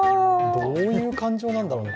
どういう感情なんだろうね。